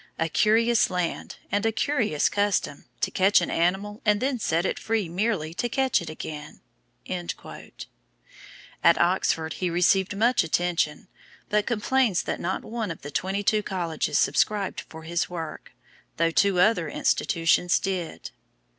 A curious land, and a curious custom, to catch an animal and then set it free merely to catch it again." At Oxford he received much attention, but complains that not one of the twenty two colleges subscribed for his work, though two other institutions did.